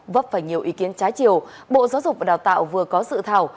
vấp phải nhiều ý kiến trái chiều bộ giáo dục và đào tạo vừa có dự thảo